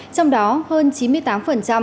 trong đó hơn chín mươi tám điều trị tại nhà